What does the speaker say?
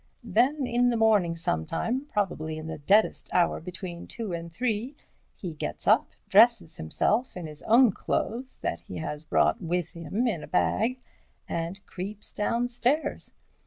Then, in the morning sometime, probably in the deadest hour between two and three, he gets up, dresses himself in his own clothes that he has brought with him in a bag, and creeps downstairs.